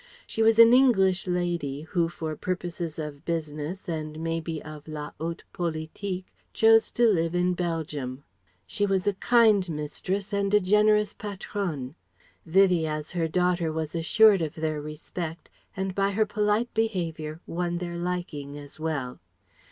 She was an English lady who for purposes of business and may be of la haute politique chose to live in Belgium. She was a kind mistress and a generous patronne. Vivie as her daughter was assured of their respect, and by her polite behaviour won their liking as well.